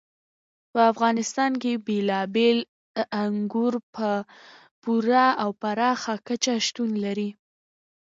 په افغانستان کې بېلابېل انګور په پوره او پراخه کچه شتون لري.